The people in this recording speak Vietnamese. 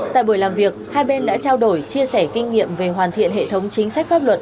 tại buổi làm việc hai bên đã trao đổi chia sẻ kinh nghiệm về hoàn thiện hệ thống chính sách pháp luật